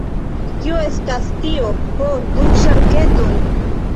Kio estas tio? Ho, du ŝarketoj.